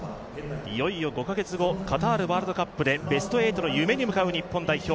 いよいよ５カ月後、カタールワールドカップでベスト８の夢に向かう日本代表。